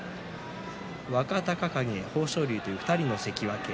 若隆景、豊昇龍という２人の関脇。